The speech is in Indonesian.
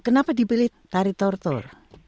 kenapa dipilih tari tortor